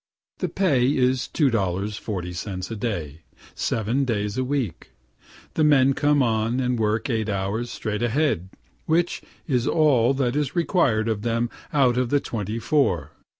The pay is $2.40 a day (seven days to a week) the men come on and work eight hours straight ahead, which is all that is required of them out of the twenty four.